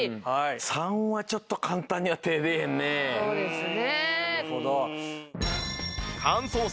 そうですね。